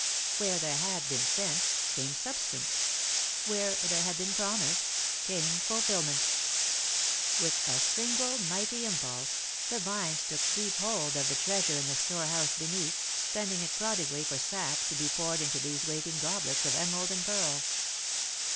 Where there had been scent, came substance; where there had been promise, came fulfilment. With a single mighty impulse the vines took deep hold of the treasure in the storehouse beneath, spending it prodigally for sap to be poured into these waiting goblets of emerald and pearl.